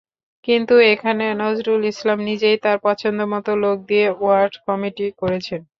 কিন্তু এখানে নজরুল ইসলাম নিজেই তাঁর পছন্দমতো লোক দিয়ে ওয়ার্ড কমিটি করেছেন।